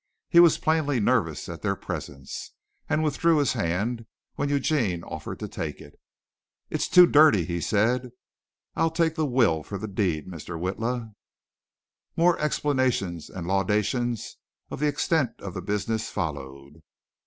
He was plainly nervous at their presence, and withdrew his hand when Eugene offered to take it. "It's too dirty," he said. "I'll take the will for the deed, Mr. Witla." More explanations and laudations of the extent of the business followed.